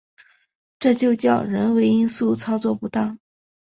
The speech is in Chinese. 这就叫人为因素操作不当